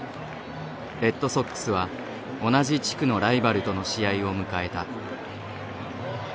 レッドソックスは同じ地区のライバルとの試合を迎えた。